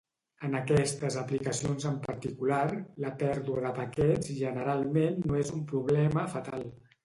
En aquestes aplicacions en particular la pèrdua de paquets generalment no és un problema fatal.